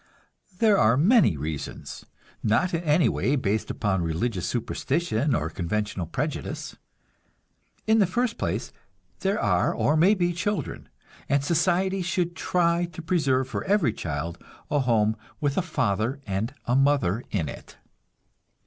There are many reasons, not in any way based upon religious superstition or conventional prejudice. In the first place, there are or may be children, and society should try to preserve for every child a home with a father and a mother in it.